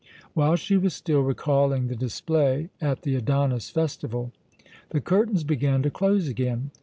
While she was still recalling the display at the Adonis festival, the curtains began to close again.